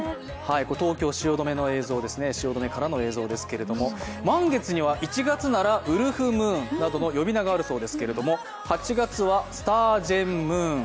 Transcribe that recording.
東京・汐留からの映像ですけれども満月には１月ならウルフムーンなどの呼び名があるそうですけども８月はスタージェンムーン。